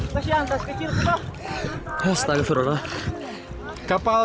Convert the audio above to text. kepala penumpang tersebut